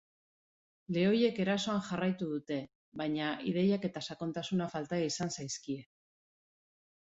Lehoiek erasoan jarraitu dute, baina ideiak eta sakontasuna falta izan zaizkie.